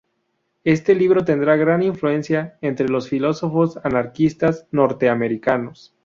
Este libro tendrá gran influencia entre los filósofos anarquistas norteamericanos.